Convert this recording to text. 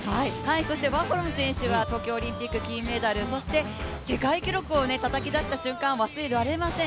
そしてワーホルム選手は東京オリンピック金メダル、そして世界記録をたたき出した瞬間は忘れられません